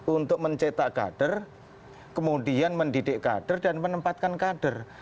untuk mencetak kader kemudian mendidik kader dan menempatkan kader